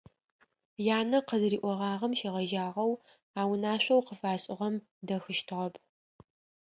Янэ къызыриӏогъагъэм щегъэжьагъэу а унашъоу къыфашӏыгъэм дэхыщтыгъэп.